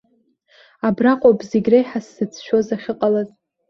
Абраҟоуп зегь реиҳа сзыцәшәоз ахьыҟалаз.